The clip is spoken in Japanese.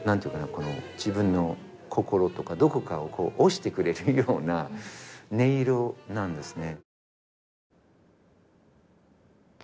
この自分の心とかどこかを押してくれるような音色なんですね